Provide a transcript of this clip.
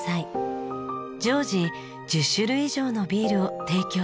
常時１０種類以上のビールを提供しています。